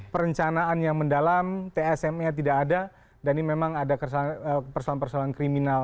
perencanaan yang mendalam tsm nya tidak ada dan ini memang ada persoalan persoalan kriminal